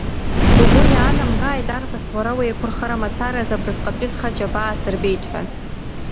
Угәы иаанамгааит, арԥыс, уара уеиқәырхара мацараз абрысҟатәи схы аџьабаа асырбеит ҳәа.